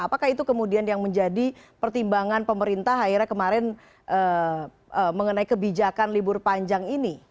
apakah itu kemudian yang menjadi pertimbangan pemerintah akhirnya kemarin mengenai kebijakan libur panjang ini